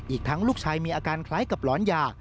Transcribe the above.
อีกทั้งลูกชายมีอาการคล้ายกับหลอนยา